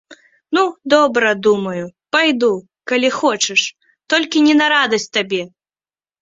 Ну, добра, думаю, пайду, калі хочаш, толькі не на радасць табе.